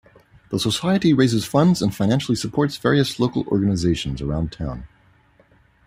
The Society raises funds and financially supports various local organizations around town.